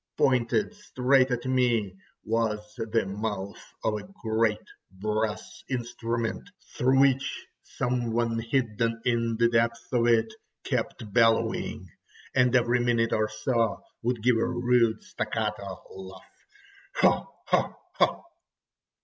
Pointed straight at me was the mouth of a great brass instrument, through which some one hidden in the depths of it kept bellowing, and every minute or so would give a rude staccato laugh: "Ho! ho!